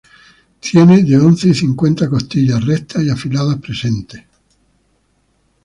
Tiene de once y cincuenta costillas rectas y afiladas presentes.